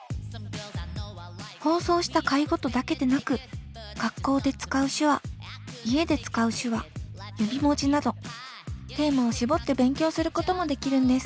放送した回ごとだけでなく学校で使う手話家で使う手話指文字などテーマを絞って勉強することもできるんです。